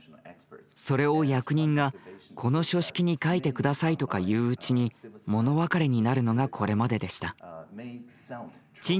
それを役人が「この書式に書いて下さい」とか言ううちに物別れになるのがこれまででした。